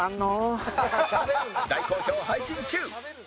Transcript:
大好評配信中！